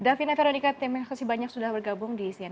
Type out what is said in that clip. davina veronica temen kasih banyak sudah bergabung di